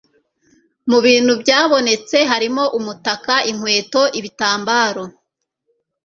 mubintu byabonetse harimo umutaka, inkweto, ibitambaro